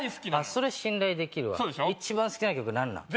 それ信頼できるわ一番好きな曲何なん？